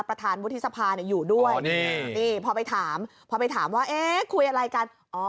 ประธานวุฒิสภาอยู่ด้วยพอไปถามว่าคุยอะไรกัน